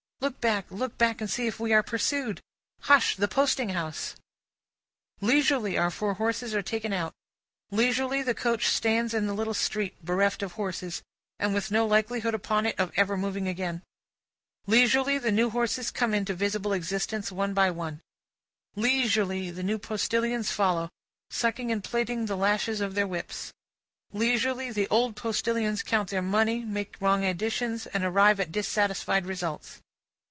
Look back, look back, and see if we are pursued! Hush! the posting house. Leisurely, our four horses are taken out; leisurely, the coach stands in the little street, bereft of horses, and with no likelihood upon it of ever moving again; leisurely, the new horses come into visible existence, one by one; leisurely, the new postilions follow, sucking and plaiting the lashes of their whips; leisurely, the old postilions count their money, make wrong additions, and arrive at dissatisfied results.